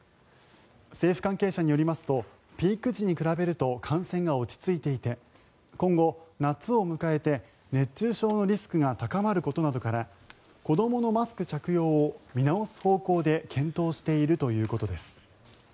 政府関係者によりますとピーク時に比べると感染が落ち着いていて今後、夏を迎えて熱中症のリスクが高まることなどから子どものマスク着用を見直す方向で検討しているということです。